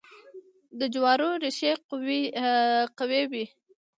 د جوارو ریښې قوي وي.